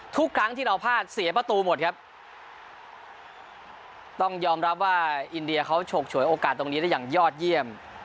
ทุกครั้งที่เราพลาดเสียประตูหมดครับต้องยอมรับว่าอินเดียเขาฉกฉวยโอกาสตรงนี้ได้อย่างยอดเยี่ยม